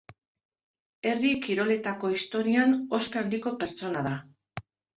Herri kiroletako historian, ospe handiko pertsona da.